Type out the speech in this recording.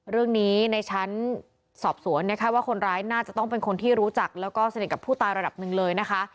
เรื่องนี้ในชั้นสอบสวนว่าคนร้ายน่าจะต้องเป็นคนที่รู้จักแล้วก็สนิทกับผู้ตายระดับหนึ่งเลยนะคะ